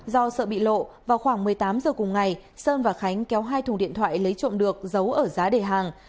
do sợ bị lộ vào khoảng một mươi tám giờ cùng ngày sơn và khánh kéo hai thùng điện thoại lấy trộm được giấu ở giá đề hàng